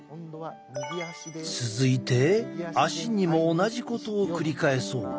続いて足にも同じことを繰り返そう。